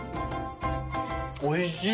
おいしい！